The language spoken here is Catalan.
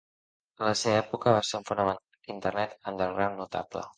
A la seva època va ser un fenomen d'Internet "underground" notable.